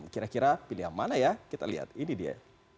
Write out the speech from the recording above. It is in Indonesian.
kira kira pilihan mana ya kita lihat ini dia